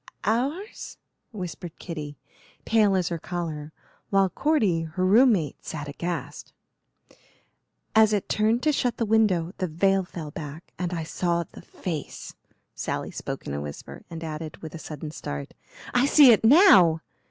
"Ours?" whispered Kitty, pale as her collar, while Cordy, her room mate, sat aghast. "As it turned to shut the window the veil fell back and I saw the face." Sally spoke in a whisper and added, with a sudden start, "I see it now!"